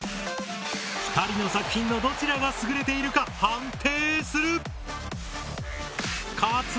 ２人の作品のどちらが優れているか判定する！